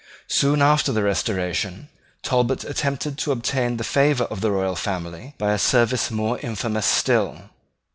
Soon after the Restoration, Talbot attempted to obtain the favour of the royal family by a service more infamous still.